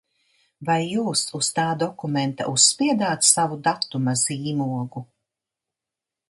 Vai jūs uz tā dokumenta uzspiedāt savu datuma zīmogu?